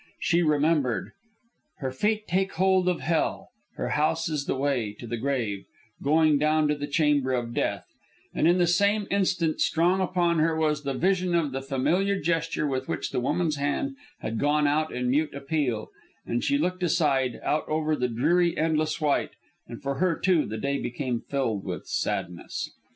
She remembered: "Her feet take hold of hell; her house is the way to the grave, going down to the chamber of death," and in the same instant strong upon her was the vision of the familiar gesture with which the woman's hand had gone out in mute appeal, and she looked aside, out over the dreary endless white, and for her, too, the day became filled with sadness.